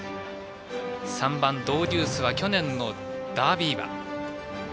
３番、ドウデュースは去年のダービー馬。